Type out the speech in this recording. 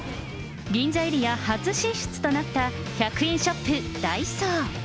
銀座エリア初進出となった１００円ショップ、ダイソー。